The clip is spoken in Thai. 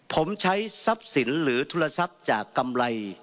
ผมใช้ทรัพย์สินหรือธุรทรัพย์จากกำไร